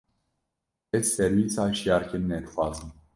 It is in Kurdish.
Ez servîsa hişyarkirinê dixwazim.